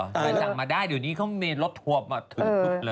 ใครสั่งมาได้เดี๋ยวนี้เขามีรถทวบมาถึง